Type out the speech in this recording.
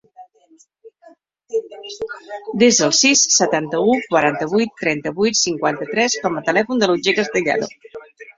Desa el sis, setanta-u, quaranta-vuit, trenta-vuit, cinquanta-tres com a telèfon de l'Otger Castellano.